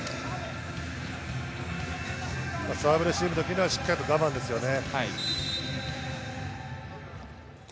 サーブ、レシーブの時にはしっかり我慢ですよね。